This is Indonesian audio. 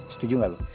setuju gak lu